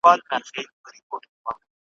ګړی وروسته نه بادونه نه باران وو `